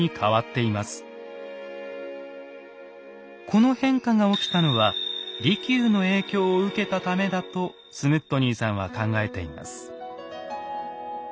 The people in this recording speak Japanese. この変化が起きたのは利休の影響を受けたためだとスムットニーさんは考えています。